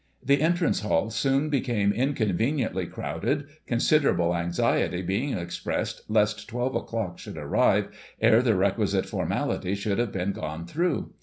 The entrance hall soon became inconveniently crowded, considerable anxiety being expressed lest twelve o'clock should arrive 'ere the requisite formalities should have been gone through.